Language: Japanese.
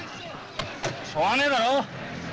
しょうがねえだろ。